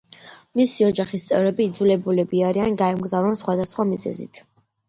მისი ოჯახის წევრები იძულებულები არიან, გაემგზავრონ სხვადასხვა მიზეზით.